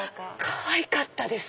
かわいかったです。